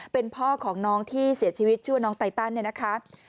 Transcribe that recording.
เป็นพ่อของน้องที่เสียชีวิตชื่อว่าน้องไตตันเนี่ยนะคะ